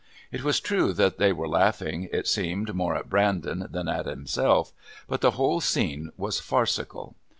It was true that they were laughing, it seemed, more at Brandon than at himself, but the whole scene was farcical.